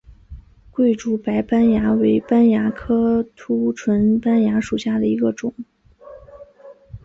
桂竹白斑蚜为斑蚜科凸唇斑蚜属下的一个种。